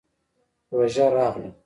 روژه راغله.